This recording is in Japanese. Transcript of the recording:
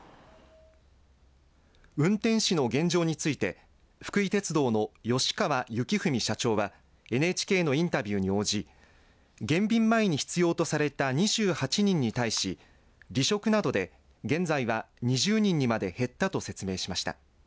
運転士の現状について福井鉄道の吉川幸文社長はＮＨＫのインタビューに応じ減便前に必要とされた２８人に対し離職などで現在は２０人にまで減ったと説明しました。